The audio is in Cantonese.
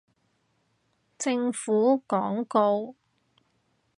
政府廣告